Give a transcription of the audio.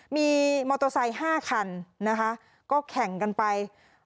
มีมอเตอร์ไซค์๕คันนะคะก็แข่งกันไป